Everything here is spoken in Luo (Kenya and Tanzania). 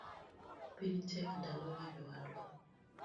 Piny tek ndalogi jowadwa